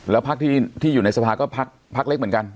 แล้วพักที่อยู่ในสภาก็พักเล็กเหมือนกัน